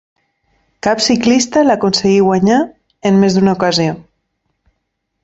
Cap ciclista l'aconseguí guanyar en més d'una ocasió.